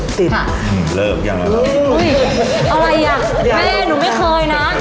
อะไรเนี่ยแม่หนูไม่เคย